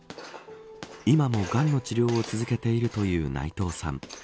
今も、がんの治療を続けているという内藤さん。